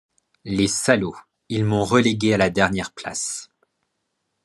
Les salauds, ils m’ont relégué à la dernière place !